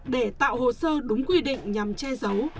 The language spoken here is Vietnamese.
để tạo hồ sơ đúng quy định nhằm che giấu